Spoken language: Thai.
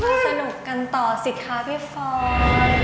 สนุกกันต่อสิคะพี่ฟอน